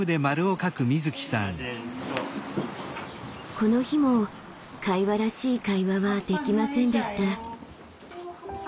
この日も会話らしい会話はできませんでした。